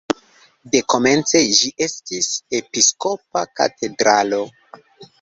Dekomence ĝi estis episkopa katedralo.